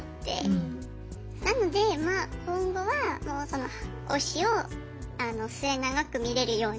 なのでまあ今後は推しを末永く見れるように。